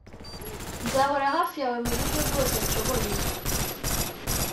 nzahora hafi yawe muburyo bwose nshoboye